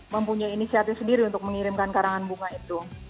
mempunyai inisiatif sendiri untuk mengirimkan karangan bunga itu